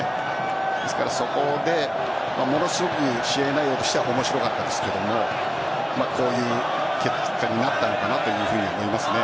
ですからそこでものすごく試合内容としては面白かったですがこういう結果になったのかなと思います。